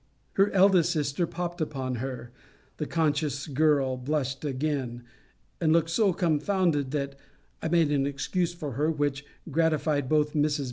Her eldest sister popt upon her. The conscious girl blushed again, and looked so confounded, that I made an excuse for her, which gratified both. Mrs.